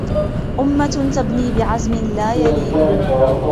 أمة تبني بعزم لا يلين